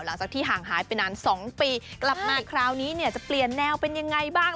หลังจากที่ห่างหายไปนาน๒ปีกลับมาคราวนี้เนี่ยจะเปลี่ยนแนวเป็นยังไงบ้าง